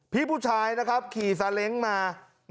ผีผู้ชายขี่สาเล็งมา